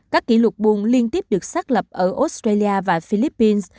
các kỷ lục buồn liên tiếp được xác lập ở australia và philippines